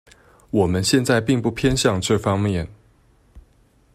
我們現在並不偏向這方面